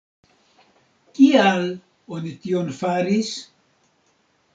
Kial oni tion faris?